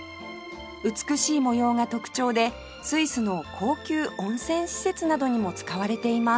美しい模様が特徴でスイスの高級温泉施設などにも使われています